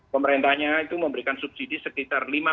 pemerintahnya itu memberikan subsidi sekitar lima juta